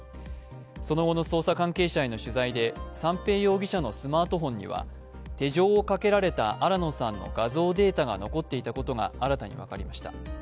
その後の捜査関係者への取材で三瓶容疑者のスマートフォンには手錠をかけられた新野さんの画像データが残っていたことが新たに分かりました。